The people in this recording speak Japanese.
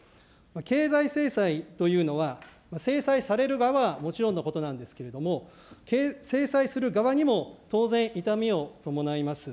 経済制裁というのは、制裁される側はもちろんのことなんですけれども、制裁する側にも当然、痛みを伴います。